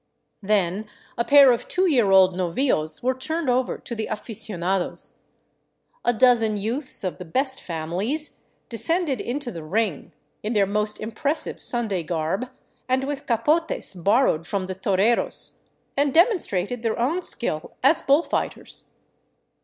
Then a pair of two year old novillos were turned over to the " aficionados." A dozen youths of the " best families " descended into the " ring," in their most impressive Sunday garb and with capotes borrowed from the toreros, and demonstrated their own skill as bull fighters.